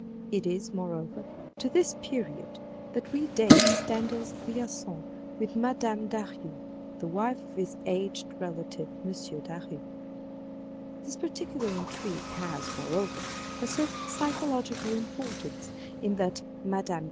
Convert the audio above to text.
It is, moreover, to this period that we date Stendhal's liaison with Mme. Daru the wife of his aged relative, M. Daru. This particular intrigue has, moreover, a certain psychological importance in that Mme.